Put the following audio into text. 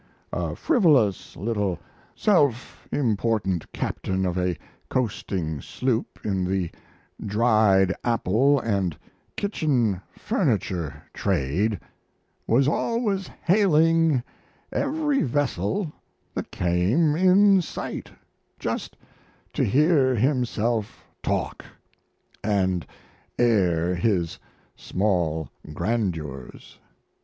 A frivolous little self important captain of a coasting sloop in the dried apple and kitchen furniture trade was always hailing every vessel that came in sight, just to hear himself talk and air his small grandeurs.